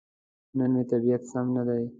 نن مې طبيعت سم ندی.